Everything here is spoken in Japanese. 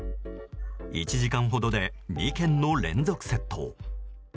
１時間ほどで２軒の連続窃盗。